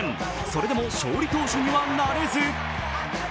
それでも勝利投手にはなれず。